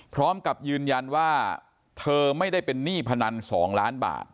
พร้อมกับยืนยันว่าเธอไม่ได้เป็นหนี้พนัน๒ล้านบาท